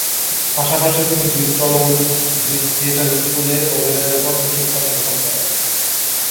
পাশাপাশি তিনি Bristol Old Vic Theatre School এ অভিনয়ের উপর প্রশিক্ষণ গ্রহণ করেন।